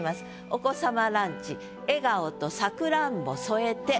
「お子様ランチ笑顔とさくらんぼ添えて」。